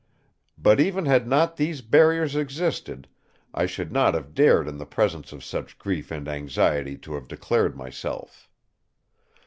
But even had not these barriers existed, I should not have dared in the presence of such grief and anxiety to have declared myself.